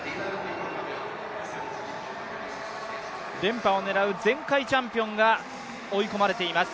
連覇を狙う前回チャンピオンが追い込まれています。